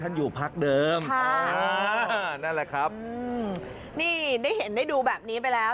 อยู่พักเดิมอ่านั่นแหละครับอืมนี่ได้เห็นได้ดูแบบนี้ไปแล้ว